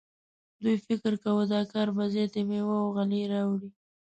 دوی فکر کاوه دا کار به زیاتې میوې او غلې راوړي.